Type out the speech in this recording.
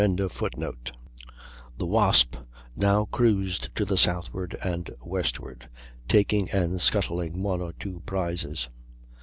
] The Wasp now cruised to the southward and westward, taking and scuttling one or two prizes.